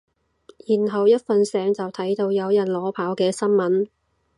然後一瞓醒就睇到有人裸跑嘅新聞